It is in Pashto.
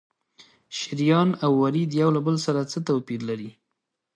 شریان او ورید یو له بل سره څه توپیر لري؟